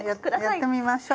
やってみましょう。